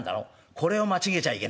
これを間違えちゃいけねえいいか？